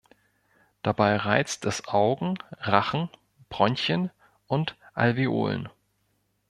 Dabei reizt es Augen, Rachen, Bronchien und Alveolen.